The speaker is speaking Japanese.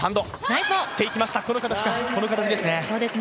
この形ですね。